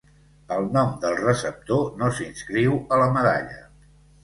El nom del receptor no s'inscriu a la medalla.